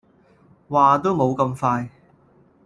話都冇咁快